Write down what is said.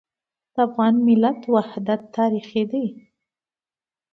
د افغان ملت وحدت تاریخي دی.